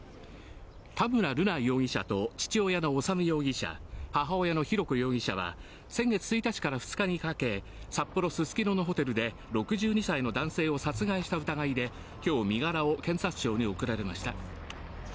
田村瑠奈容疑者と父親の修容疑者母親の浩子容疑者は先月１日から２日にかけ、札幌・ススキノのホテルで６２歳の男性を殺害した疑いで今日、身柄を検察庁に送られました。